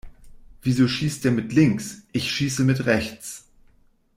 Wieso schießt der mit links? Ich schieße mit rechts.